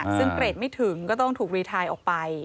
ซึ่งเกรดไม่ถึงก็ต้องถูกรีไทน์ออกไป